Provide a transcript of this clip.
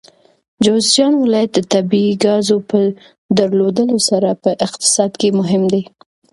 جوزجان ولایت د طبیعي ګازو په درلودلو سره په اقتصاد کې مهم دی.